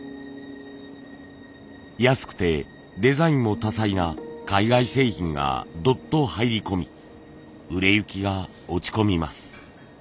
安くてデザインも多彩な海外製品がどっと入り込み売れ行きが落ち込みます。